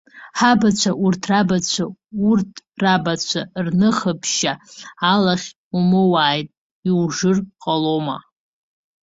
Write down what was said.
Ҳабацәа, урҭ рабацәа, урҭ рабацәа рныха ԥшьа, алахь умоуааит, иужыр ҟалома?